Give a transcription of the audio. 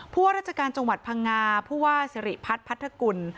ว่าราชการจังหวัดพังงาผู้ว่าสิริพัฒน์พัทธกุล